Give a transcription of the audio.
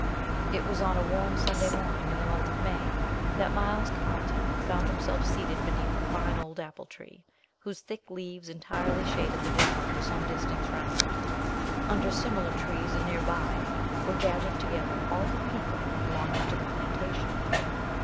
It was on a warm Sunday morning, in the month of May, that Miles Carlton found himself seated beneath a fine old apple tree, whose thick leaves entirely shaded the ground for some distance round. Under similar trees and near by, were gathered together all the "people" belonging to the plantation.